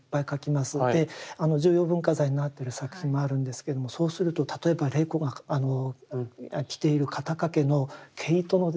重要文化財になってる作品もあるんですけどもそうすると例えば麗子が着ている肩掛けの毛糸の質感。